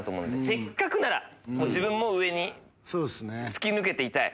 せっかくなら自分も上に突き抜けていたい。